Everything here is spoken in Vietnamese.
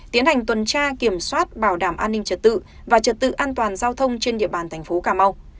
tiến hành tuần tra kiểm soát bảo đảm an ninh trật tự và trật tự an toàn giao thông trên địa bàn thành phố cà mau